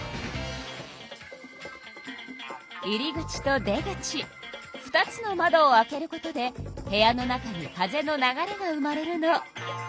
入り口と出口２つの窓を開けることで部屋の中に風の流れが生まれるの。